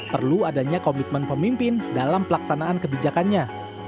perlu adanya komitmen pemimpin dalam pelaksanaan kebijakannya